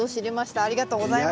ありがとうございます。